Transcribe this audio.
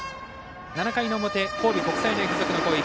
７回の表、神戸国際大付属の攻撃。